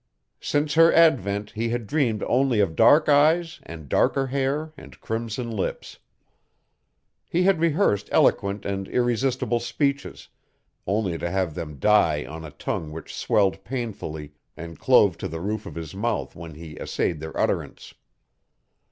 Since her advent he had dreamed only of dark eyes and darker hair and crimson lips. He had rehearsed eloquent and irresistible speeches, only to have them die on a tongue which swelled painfully and clove to the roof of his mouth when he essayed their utterance.